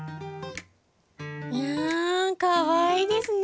いやかわいいですね。